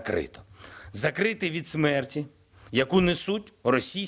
kita tidak akan bergerak ke ukraina